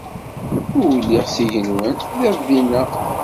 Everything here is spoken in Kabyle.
Ma uliɣ s igenwan, telliḍ dinna.